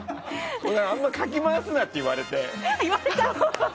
あまりかき回すなって言われたよ。